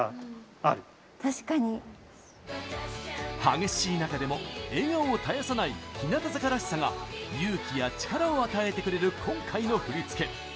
激しい中でも笑顔を絶やさない日向坂らしさが勇気や力を与えてくれる今回の振り付け。